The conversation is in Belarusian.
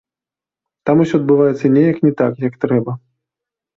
Там усё адбываецца неяк не так, як трэба.